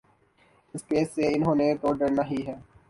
اس case سے انہوں نے تو ڈرنا ہی ہے۔